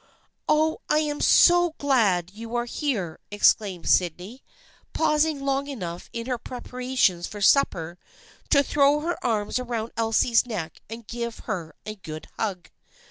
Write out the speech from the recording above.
" Oh, I am so glad you are here !" exclaimed Sydney, pausing long enough in her preparations for supper to throw her arms around Elsie's neck and give her a good hug.